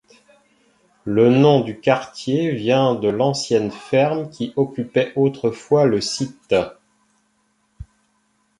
Le nom du quartier vient de l’ancienne ferme qui occupait autrefois le site.